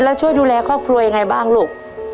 แล้วช่วยดูแลครอบครัวยังไงบ้างลูก